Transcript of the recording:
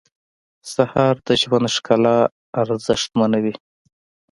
سهار د ژوند ښکلا ارزښتمنوي.